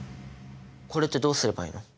これってどうすればいいの？